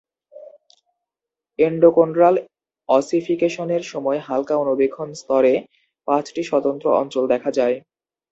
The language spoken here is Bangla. এন্ডোকোন্ড্রাল অসিফিকেশনের সময় হালকা অণুবীক্ষণ স্তরে পাঁচটি স্বতন্ত্র অঞ্চল দেখা যায়।